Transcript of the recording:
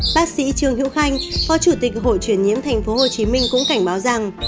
bác sĩ trương hiệu khanh phó chủ tịch hội truyền nhiễm tp hcm cũng cảnh báo rằng